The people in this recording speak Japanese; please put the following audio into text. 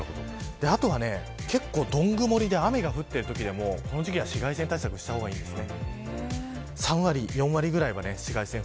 あとは、どん雲りで雨が降っているときでも、この時期は紫外線対策をした方がいいです。